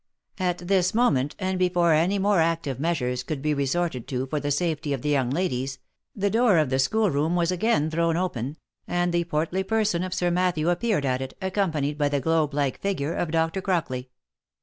At this moment, and before any more active measures could be re sorted to for the safety of the young ladies, the door of the school room was again thrown open, and the portly person of Sir Matthew appeared at it, accompanied by the globe like figure of Doctor Crockley.